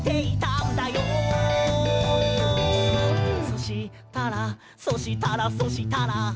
「そしたら、そしたら、そしたら」